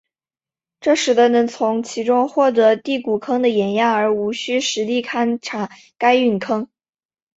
这使得能从其中获得第谷坑的岩样而无需实地勘查该陨坑。